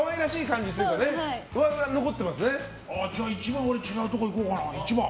じゃあ１番、俺違うところいこうかな。